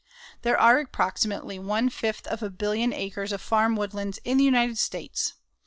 There are approximately one fifth of a billion acres of farm woodlands in the United States.